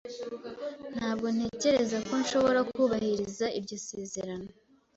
Ntabwo ntekereza ko nshobora kubahiriza iryo sezerano